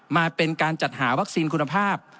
มาเป็นการจัดหาวัคซีนคุณภาพ